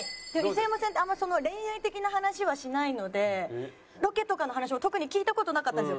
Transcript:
磯山さんってあんまり恋愛的な話はしないのでロケとかの話を特に聞いた事なかったんですよ。